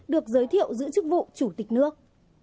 được giới thiệu giữ chức vụ chủ tịch nước